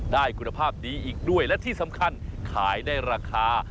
ได้คุณภาพดีอีกด้วยและที่สำคัญขายได้ราคา